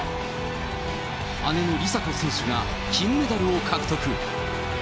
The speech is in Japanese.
姉の梨紗子選手が金メダルを獲得。